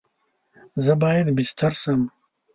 زه باید بیستر سم؟